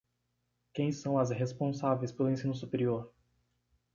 Quem são as responsáveis pelo ensino superior?